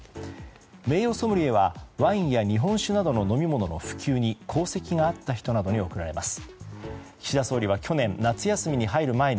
名誉ソムリエはワインや日本酒などの飲み物の普及に功績があった人などに贈られます。